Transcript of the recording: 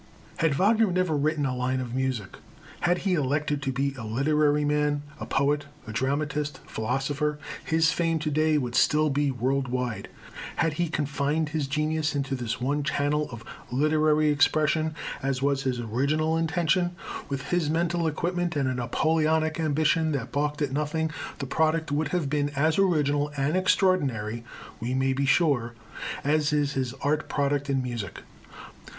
Had Wagner never written a line of music, had he elected to be a literary man, a poet, a dramatist, philosopher, his fame to day would still be world wide. Had he confined his genius into this one channel of literary expression, as was his original intention, with his mental equipment, and a Napoleonic ambition that balked at nothing, the product would have been as original and extraordinary, we may be sure, as is his art product in music.